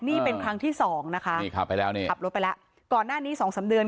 นี่เป็นครั้งที่สองนะคะนี่ขับไปแล้วนี่ขับรถไปแล้วก่อนหน้านี้สองสามเดือน